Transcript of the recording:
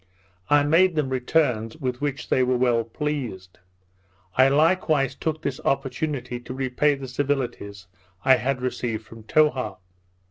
I made them returns, with which they were well pleased. I likewise took this opportunity to repay the civilities I had received from Towha.